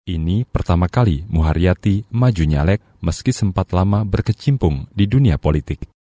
ini pertama kali muharyati maju nyalek meski sempat lama berkecimpung di dunia politik